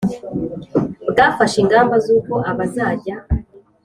bwafashe ingamba zuko abazajya